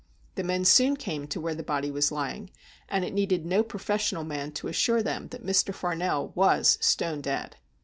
The men soon came to where the body was lying, and it needed no professional man to assure them that Mr. 'Farnell was stone dead.